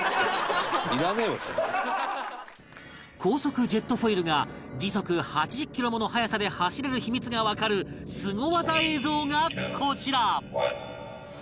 高速ジェットフォイルが時速８０キロもの速さで走れる秘密がわかるスゴ技映像がこちら